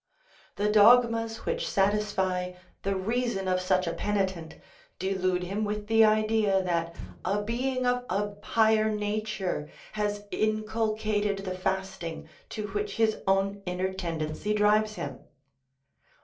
The dogmas which satisfy the reason of such a penitent delude him with the idea that a being of a higher nature has inculcated the fasting to which his own inner tendency drives him.